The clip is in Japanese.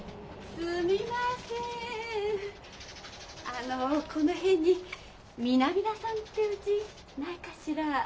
あのこの辺に南田さんってうちないかしら？